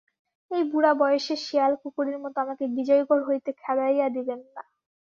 এই বুড়া বয়সে শেয়াল-কুকুরের মতো আমাকে বিজয়গড় হইতে খেদাইয়া দিবেন না।